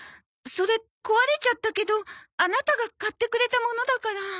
それ壊れちゃったけどアナタが買ってくれたものだから。